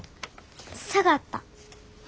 下がった。